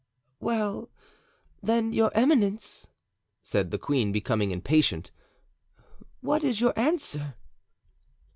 "Well then, your eminence," said the queen, becoming impatient, "what is your answer?"